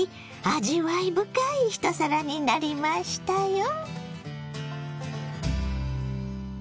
味わい深い一皿になりましたよ。